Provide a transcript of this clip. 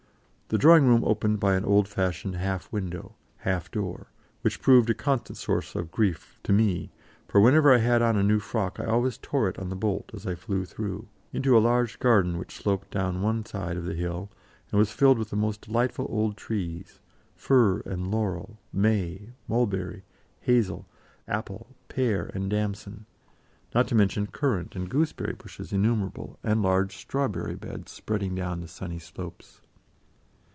The drawing room opened by an old fashioned half window, half door which proved a constant source of grief to me, for whenever I had on a new frock I always tore it on the bolt as I flew through into a large garden which sloped down one side of the hill, and was filled with the most delightful old trees, fir and laurel, may, mulberry, hazel, apple, pear, and damson, not to mention currant and gooseberry bushes innumerable, and large strawberry beds spreading down the sunny slopes.